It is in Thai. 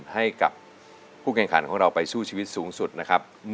ให้กับผู้แข่งขันของเราไปสู้ชีวิตสูงสุดนะครับ